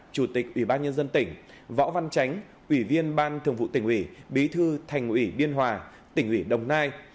chủ tịch ủy ban nhân dân tỉnh võ văn chánh ủy viên ban thường vụ tỉnh ủy bí thư thành ủy biên hòa tỉnh ủy đồng nai